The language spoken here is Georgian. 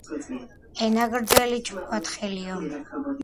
ენაგრძელი ჭკუათხელიო